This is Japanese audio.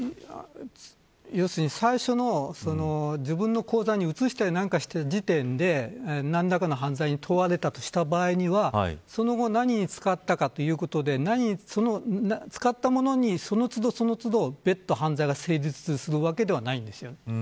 最初の、自分の口座に移したりなんかしている時点で何らかの犯罪に問われたとした場合にはその後何に使ったかということで使ったものにその都度その都度別途、犯罪が成立するわけではないんです。